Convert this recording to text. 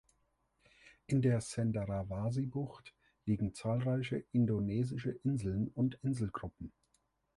In der Cenderawasih-Bucht liegen zahlreiche indonesische Inseln und Inselgruppen.